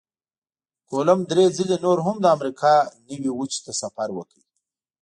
کولمب درې ځلې نور هم د امریکا نوي وچې ته سفر وکړ.